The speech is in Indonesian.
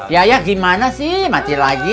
ya ya gimana sih mati lagi